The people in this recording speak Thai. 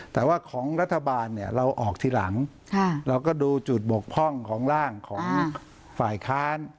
แต่ว่าของรัฐบาลเนี่ยเราออกทีหลังเราก็ดูจุดบกพร่องของร่างของฝ่ายค้าน